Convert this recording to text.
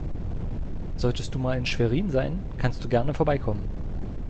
Solltest du mal in Schwerin sein, kannst du gerne vorbeikommen.